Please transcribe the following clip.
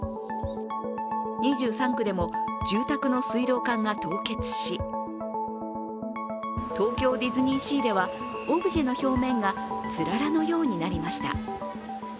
２３区でも住宅の水道管が凍結し、東京ディズニーシーではオブジェの表面がつららのようになりました。